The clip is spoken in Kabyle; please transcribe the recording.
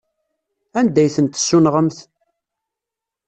Anda ay ten-tessunɣemt?